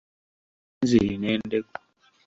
Nanziri n'endeku.